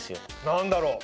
何だろう？